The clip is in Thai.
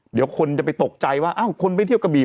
เดี๋ยวคนจะไปตกใจว่าอ้าวคนไปเที่ยวกระบี